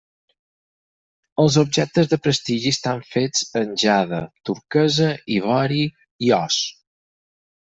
Els objectes de prestigi estan fets en jade, turquesa, ivori i os.